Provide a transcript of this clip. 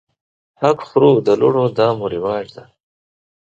حق خورو د لوڼو دا مو رواج دی